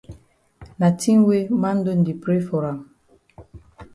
Na tin way man don di pray for am.